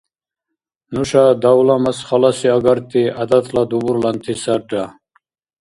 Нуша давла-мас халаси агарти гӀядатла дубурланти сарра…